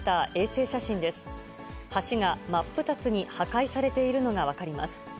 橋が真っ二つに破壊されているのが分かります。